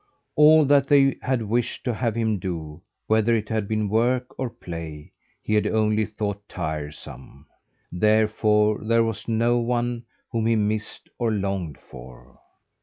All that they had wished to have him do whether it had been work or play he had only thought tiresome. Therefore there was no one whom he missed or longed for.